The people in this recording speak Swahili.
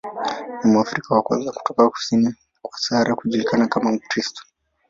Ni Mwafrika wa kwanza kutoka kusini kwa Sahara kujulikana kama Mkristo.